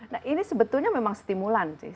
nah ini sebetulnya memang stimulan sih